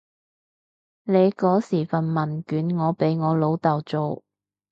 你嗰時份問卷我俾我老豆做